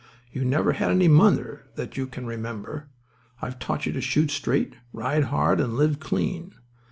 You never had any mother that you can remember. I've taught you to shoot straight, ride hard, and live clean.